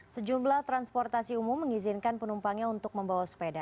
sejumlah transportasi umum mengizinkan penumpangnya untuk membawa sepeda